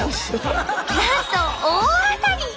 なんと大当たり！